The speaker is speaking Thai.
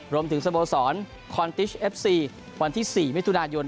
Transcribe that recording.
สโมสรคอนติชเอฟซีวันที่๔มิถุนายน